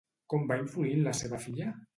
Com va influir en la seva filla?